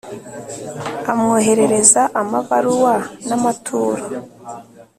amwoherereza amabaruwa n’amaturo.